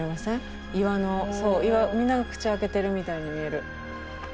岩みんなが口開けてるみたいに見える。